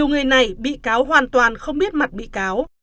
người này bị cáo hoàn toàn không biết mặt bị cáo